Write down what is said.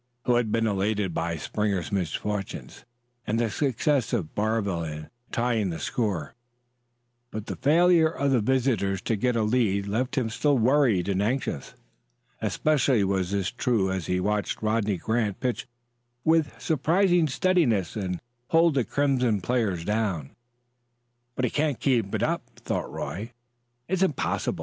He had been elated by Springer's misfortune and the success of Barville in tying the score, but the failure of the visitors to get a lead left him still worried and anxious. Especially was this true as he watched Rodney Grant pitch with surprising steadiness and hold the crimson players down. "But he can't keep it up," thought Roy; "it's impossible.